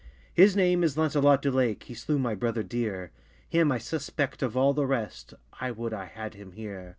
His name is Lancelot du Lake, He slew my brother deere; Him I suspect of all the rest: I would I had him here.